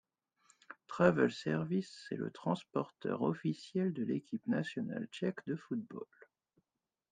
Travel Service est le transporteur officiel de l'équipe nationale tchèque de football.